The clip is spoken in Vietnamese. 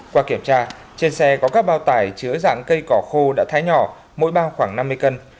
qua kiểm tra trên xe có các bao tải chứa dạng cây cỏ khô đã thái nhỏ mỗi bao khoảng năm mươi cân